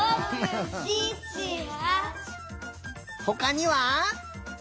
ほかには？